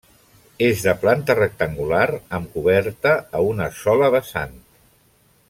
És de planta rectangular amb coberta a una sola vessant.